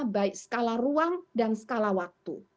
baik skala ruang dan skala waktu